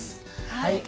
はい。